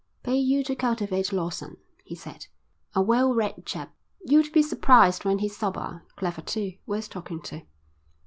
"Pay you to cultivate Lawson," he said. "A well read chap. You'd be surprised when he's sober. Clever too. Worth talking to."